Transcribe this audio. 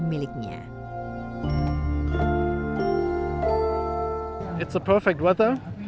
mengaku takjub dengan cuaca bali yang pas untuk menerbangkan layang layang